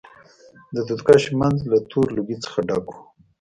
د دود کش منځ له تور لوګي څخه ډک و.